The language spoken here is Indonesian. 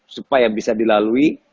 supaya bisa dilalui